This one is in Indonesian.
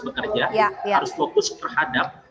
bekerja harus fokus terhadap